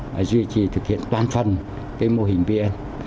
và duy trì thực hiện toàn phần cái mô hình vn